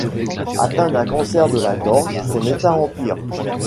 Atteint d’un cancer de la gorge, son état empire.